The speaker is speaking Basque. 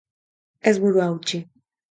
Ez burua hautsi.